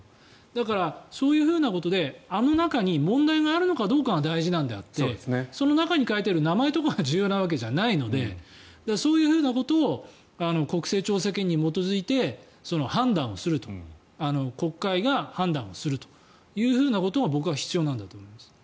だからそういうふうなことであの中に問題があるのかどうかが大事なんであってその中に書いてある名前とかが重要なわけじゃないのでそういうことを国政調査権に基づいて国会が判断をするというふうなことが安部さん。